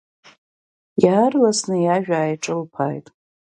Иаарласны иажәа ааиҿылԥааит.